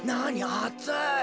あつい。